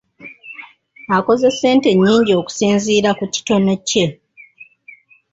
Akoze ssente nnyingi okusinzira ku kitone kye.